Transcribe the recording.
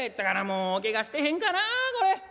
もうけがしてへんかなあこれ。